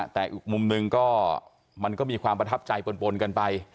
แต่อีกมุมหนึ่งก็มันก็มีความประทับใจปนกันไป